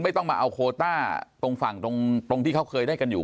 ไม่ต้องมาเอาโคต้าตรงฝั่งตรงที่เขาเคยได้กันอยู่